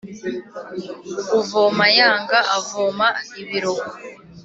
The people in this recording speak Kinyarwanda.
Uvoma yanga avoma ibirohwa.